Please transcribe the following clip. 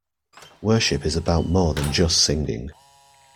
Worship is about more than just singing.